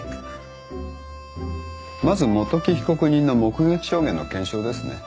まず元木被告人の目撃証言の検証ですね。